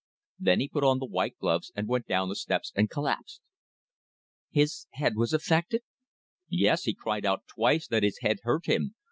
Then he put on the white gloves and went down the steps and collapsed." "His head was affected?" "Yes, he cried out twice that his head hurt him.